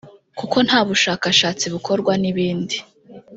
kuba nta bushakashatsi bukorwa n’ibindi